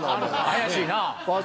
怪しいなぁ。